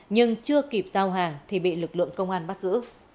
nhưng chưa kịp giao hàng thì bị lực lượng công an bắt giữ